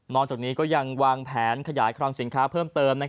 จากนี้ก็ยังวางแผนขยายคลังสินค้าเพิ่มเติม